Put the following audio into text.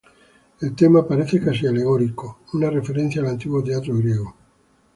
El tema parece casi alegórica, una referencia al antiguo teatro griego.